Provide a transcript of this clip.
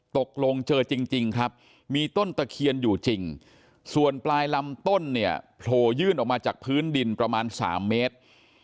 ตกลงเจอจริงครับมีต้นตะเคียนอยู่จริงส่วนปลายลำต้นเนี่ยโผล่ยื่นออกมาจากพื้นดินประมาณ๓เมตร